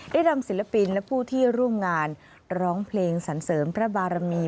ได้นำศิลปินและผู้ที่ร่วมงานร้องเพลงสันเสริมพระบารมี